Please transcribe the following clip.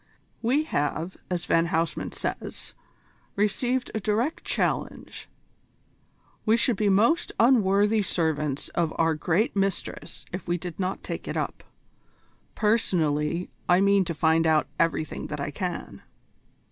"We have, as Van Huysman says, received a direct challenge. We should be most unworthy servants of our great Mistress if we did not take it up. Personally, I mean to find out everything that I can."